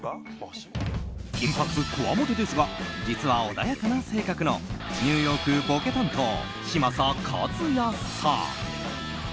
金髪、こわもてですが実は、穏やかな性格のニューヨーク、ボケ担当嶋佐和也さん。